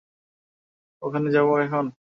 ওখানে যাব এখন?